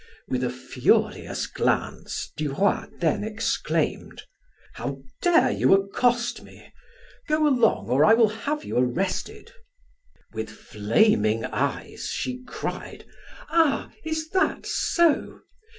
With a furious glance, Duroy then exclaimed: "How dare you accost me? Go along or I will have you arrested." With flaming eyes, she cried: "Ah, is that so!